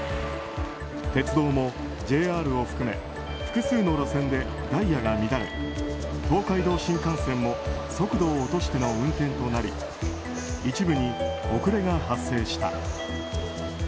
鉄道もＪＲを含め複数の路線でダイヤが乱れ東海道新幹線も速度を落としての運転となり一部に遅れが発生した。